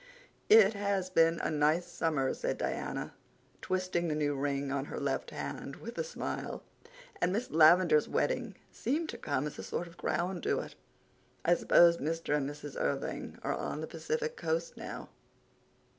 "It has been a nice summer," said Diana, twisting the new ring on her left hand with a smile. "And Miss Lavendar's wedding seemed to come as a sort of crown to it. I suppose Mr. and Mrs. Irving are on the Pacific coast now."